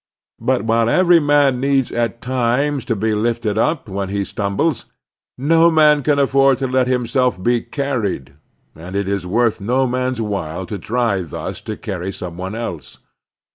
But while every man needs at times to be lifted up when he stum bles, no man can afford to let himself be carried, and it is worth no man's while to try thus to cany some one else.